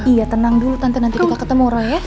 iya tenang dulu tante nanti kita ketemu orang ya